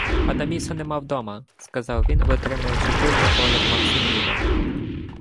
— Адаміса нема вдома, — сказав він, витримуючи пильний погляд Максиміна.